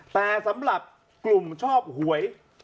แต่สำหรับกลุ่มชอบหวย